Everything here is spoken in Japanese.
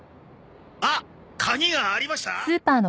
あっ鍵がありました？